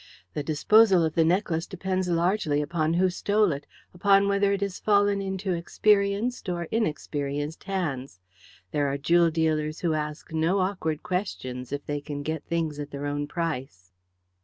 The disposal of the necklace depends largely upon who stole it upon whether it has fallen into experienced or inexperienced hands. There are jewel dealers who ask no awkward questions if they can get things at their own price."